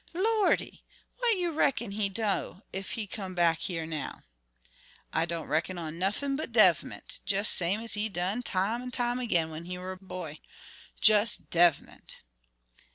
"Lordy! wha' you reckon he do ef he come back hyar now?" "I don' reckon on nuffin but dev'ment, jes' same as he done time an' time agin when he were a boy–jes' dev'ment."